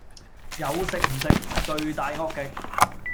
有食唔食，罪大惡極